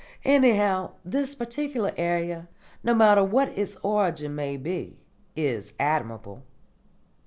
Anyhow, this particular idea, no matter what its origin may be, is admirable.